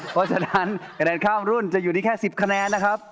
เพราะฉะนั้นคะแนนข้ามรุ่นจะอยู่ที่แค่๑๐คะแนนนะครับ